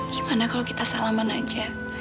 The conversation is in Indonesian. gimana kalau kita salaman aja